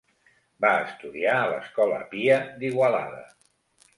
Va estudiar a l'Escola Pia d'Igualada.